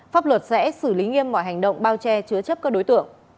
pháp luật sẽ xử lý nghiêm mọi hành động bao che chứa chấp các đối tượng